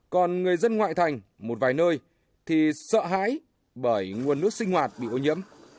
còn người dân ngoại thành một vài nơi thì sợ hãi bởi nguồn nước sinh hoạt bị ô nhiễm